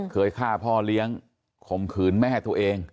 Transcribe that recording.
เคยฆ่าพ่อเลี้ยงข่มขืนแม่ตัวเอง